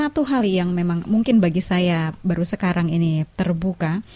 satu hal yang memang mungkin bagi saya baru sekarang ini terbuka